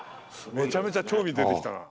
めちゃめちゃ興味出てきたな。